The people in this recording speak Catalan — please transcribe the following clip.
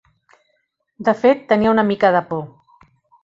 De fet, tenia una mica de por.